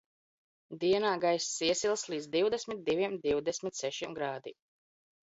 Dienā gaiss iesils līdz divdesmit diviem divdesmit sešiem grādiem.